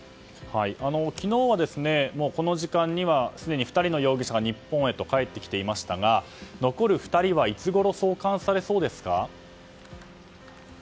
昨日はこの時間にはすでに２人の容疑者が日本に帰ってきていましたが残る２人はいつごろ送還されそうですか？